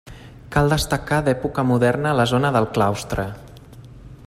Cal destacar d'època moderna la zona del claustre.